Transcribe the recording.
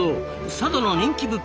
佐渡の人気物件。